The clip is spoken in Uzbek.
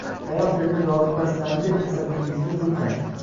Qayoqdagi zoti pastlarni deb asabingizni buzmang